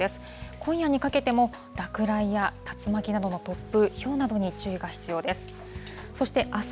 今夜にかけても、落雷や竜巻などの突風、ひょうなどに注意が必要です。